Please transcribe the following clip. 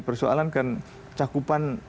persoalan kan cakupan